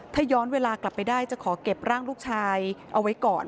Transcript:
ถ้าย้อนเวลากลับไปได้จะขอเก็บร่างลูกชายเอาไว้ก่อน